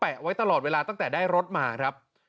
ไว้ตลอดเวลาตั้งแต่ได้รถมาครับ